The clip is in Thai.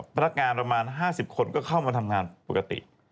พนักงานประมาณ๕๐คนก็เข้ามาทำงานปกติ